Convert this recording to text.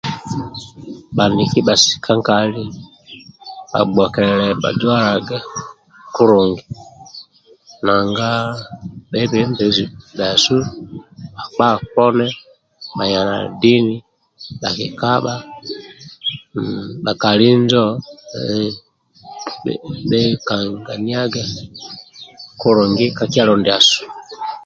Bhaniki bhasika nkali bhagbokiliani bhajualage kulungi nanga bhebembezi ndibhasu bhakpa oh poni na dini bhakikabha bhakali njo bhekankinyiage kulungi ka kyalo ndiasu.